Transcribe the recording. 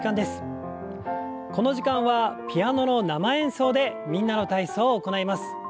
この時間はピアノの生演奏で「みんなの体操」を行います。